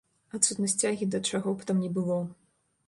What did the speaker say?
Адсутнасць цягі да чаго б там ні было.